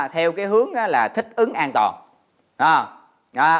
theo cái hướng là thích ứng an toàn